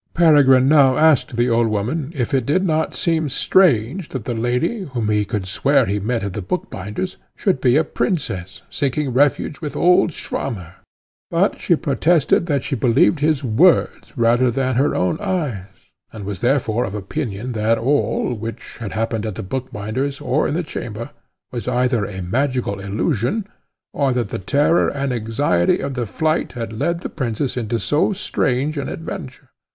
Peregrine now asked the old woman, if it did not seem strange that the lady, whom he could swear he met at the bookbinder's, should be a princess, seeking refuge with old Swammer? But she protested that she believed his words rather than her own eyes, and was therefore of opinion that all, which had happened at the bookbinder's or in the chamber, was either a magical illusion, or that the terror and anxiety of the flight had led the princess into so strange an adventure.